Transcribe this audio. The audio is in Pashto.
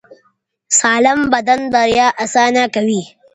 سالم بدن بریا اسانه کوي.